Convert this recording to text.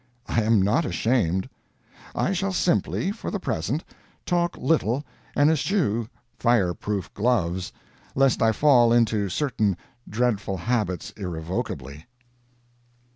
I am not ashamed. I shall simply, for the present, talk little and eschew fire proof gloves, lest I fall into certain dreadful habits irrevocably.